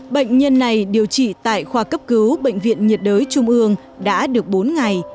bệnh nhân này điều trị tại khoa cấp cứu bệnh viện nhiệt đới trung ương đã được bốn ngày